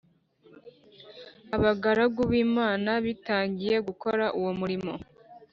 abagaragu b Imana bitangiye gukora uwo murimo